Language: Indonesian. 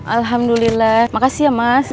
alhamdulillah makasih ya mas